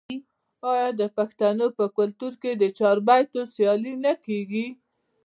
آیا د پښتنو په کلتور کې د چاربیتیو سیالي نه کیږي؟